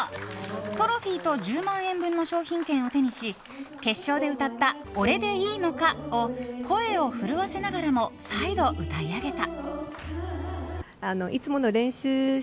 トロフィーと１０万円分の商品券を手にし決勝で歌った「俺でいいのか」を声を震わせながらも再度、歌い上げた。